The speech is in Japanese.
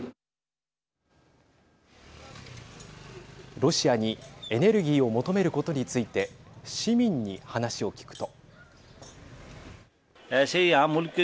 ロシアにエネルギーを求めることについて市民に話を聞くと。